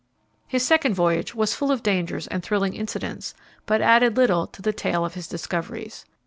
His second voyage was full of dangers and thrilling incidents, but added little to the tale of his discoveries.